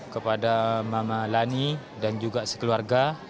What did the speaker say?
kepada mama lani dan juga sekeluarga